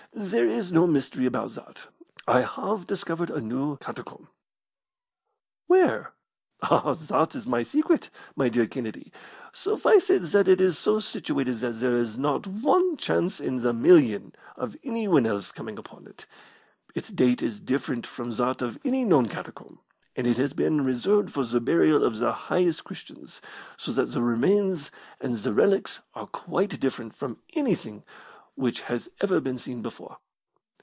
There is no mystery about that. I have discovered a new catacomb." "Where?" "Ah, that is my secret, my dear Kennedy! Suffice it that it is so situated that there is not one chance in a million of anyone else coming upon it. Its date is different from that of any known catacomb, and it has been reserved for the burial of the highest Christians, so that the remains and the relics are quite different from anything which has ever been seen before.